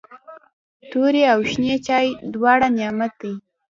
توري او شنې چايي دواړه نعمت دی.